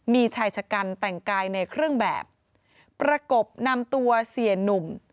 มีชายชะกันแต่งกายในเครื่องแบบประกบนำตัวเสียหนุ่ม